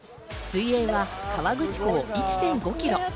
水泳は河口湖を１．５キロ。